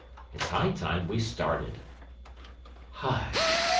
It's high time we started." "Hush!"